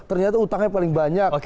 ternyata hutangnya paling banyak